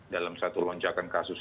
dalam satu lonjakan kasus